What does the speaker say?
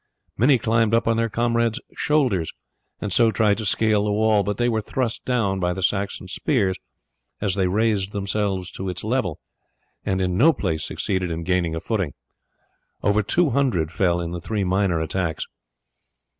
Many climbed up on their comrades' shoulders, and so tried to scale the wall, but they were thrust down by the Saxon spears as they raised themselves to its level, and in no place succeeded in gaining a footing. Over two hundred fell in the three minor attacks.